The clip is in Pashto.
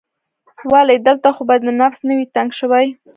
ولې؟ دلته خو به دې نفس نه وي تنګ شوی؟